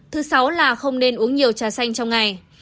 thứ sáu là không nên uống nhiều trà xanh trong ngày